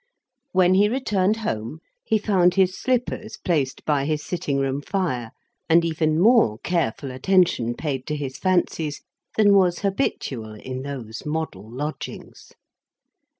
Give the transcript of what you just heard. When he returned home, he found his slippers placed by his sitting room fire; and even more careful attention paid to his fancies than was habitual in those model lodgings.